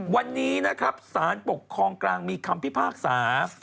วันนี้นะครับสารปกครองกลางมีคำพิพากษา